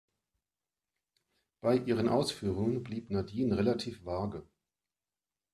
Bei ihren Ausführungen blieb Nadine relativ vage.